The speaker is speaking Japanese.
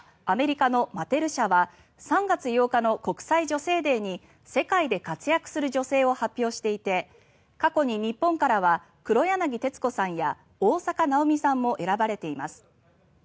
アメリカのマテル社は３月８日の国際女性デーに世界で活躍する女性を発表していて過去に、日本からは黒柳徹子さんや大坂なおみさんも選ばれています。